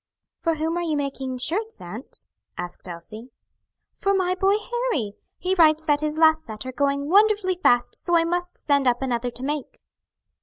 "For whom are you making shirts, aunt?" asked Elsie. "For my boy Harry. He writes that his last set are going wonderfully fast; so I must send up another to make."